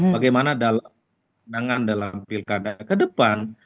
bagaimana dalam menangan dalam pilkada ke depan